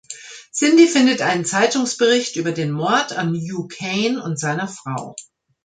Cindy findet einen Zeitungsbericht über den Mord an Hugh Kane und seiner Frau.